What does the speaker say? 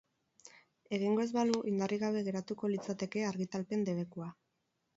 Egingo ez balu, indarrik gabe geratuko litzateke argitalpen debekua.